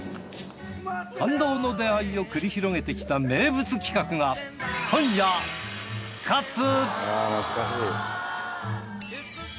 感動の出会いを繰り広げてきた名物企画が今夜復活！